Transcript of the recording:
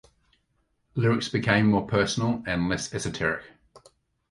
Lyrics became more personal and less esoteric.